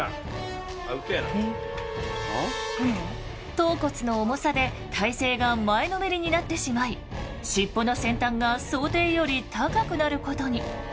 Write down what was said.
頭骨の重さで体勢が前のめりになってしまい尻尾の先端が想定より高くなることに。